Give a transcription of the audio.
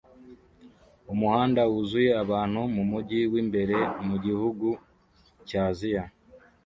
Umuhanda wuzuye abantu mumujyi w'imbere mugihugu cya Aziya